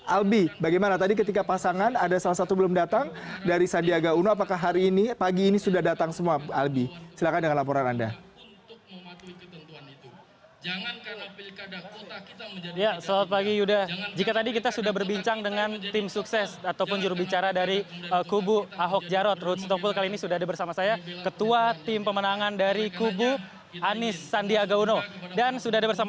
albi bagaimana tadi ketika pasangan ada salah satu belum datang dari sandiaga uno apakah hari ini pagi ini sudah datang semua albi silahkan dengan laporan anda